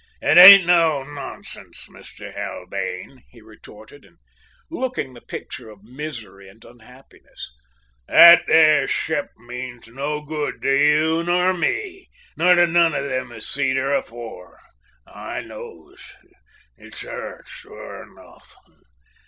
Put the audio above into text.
"It ain't no nonsense, Master Haldane," he retorted, and looking the picture of misery and unhappiness. "That there ship means no good to you nor me, nor to none of them as seed her afore, I knows. It's her, sure enuff.